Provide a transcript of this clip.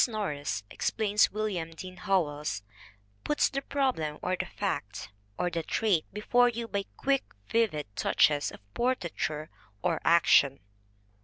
NORRIS," explains William Dean Howells, "puts the problem, or the fact, or the trait before you by quick, vivid touches of portraiture or action.